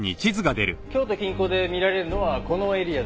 京都近郊で見られるのはこのエリアです。